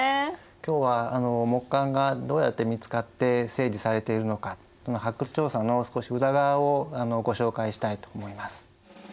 今日は木簡がどうやって見つかって整理されているのか発掘調査の少し裏側をご紹介したいと思います。